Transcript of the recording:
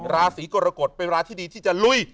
ราศีกรกฎเป็นราที่ดีที่จะลุย